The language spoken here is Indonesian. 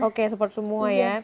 oke support semua ya